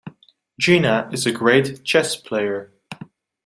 Gina is a great chess player.